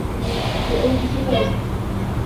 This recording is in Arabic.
بِأَيْدِي سَفَرَةٍ